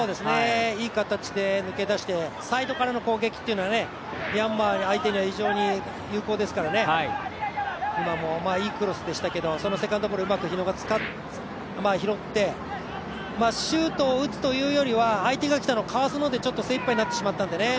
いい形で抜け出してサイドからの攻撃っていうのはミャンマー相手には非常に有効ですから今も、いいクロスでしたがそのセカンドボールうまく日野が拾ってシュートを打つというよりは相手がきたのを、かわすので精いっぱいだったんですが。